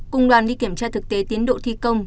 cùng đoàn đi kiểm tra thực tế tiến độ thi công